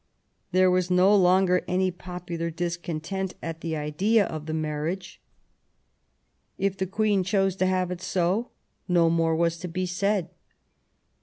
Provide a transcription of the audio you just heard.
There was no longer any popular discontent at the idea of the marriage. If the Queen chose to have it so, no more was to be said.